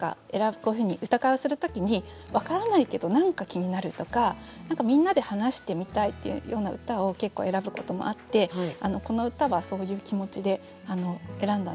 こういうふうに歌会をする時に分からないけど何か気になるとか何かみんなで話してみたいっていうような歌を結構選ぶこともあってこの歌はそういう気持ちで選んだんですけど。